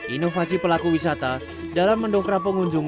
inovasi pelaku wisata dalam mendokrak pengunjung